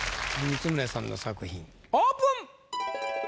光宗さんの作品オープン！